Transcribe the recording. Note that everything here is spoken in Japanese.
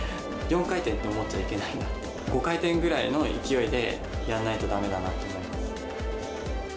４回転って思っちゃいけない、５回転ぐらいの勢いでやらないとだめだなって。